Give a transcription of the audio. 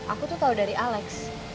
aku tuh tahu dari alex